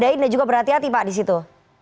diwaspadai dan juga berhati hati pak di situ